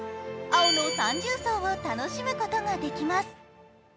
青の三重奏を楽しむことができます。